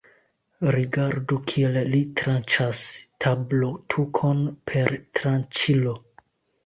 Rigardu, kiel li tranĉas tablotukon per tranĉilo!